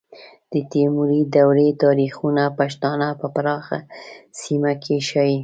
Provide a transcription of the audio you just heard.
د تیموري دورې تاریخونه پښتانه په پراخه سیمه کې ښیي.